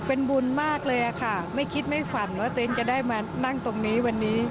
เป็นบุญมากเลยค่ะไม่คิดไม่ฝันว่าเต็นต์จะได้มานั่งตรงนี้วันนี้